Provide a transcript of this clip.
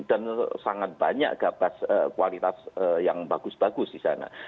dan sangat banyak gabah kualitas yang bagus bagus di sana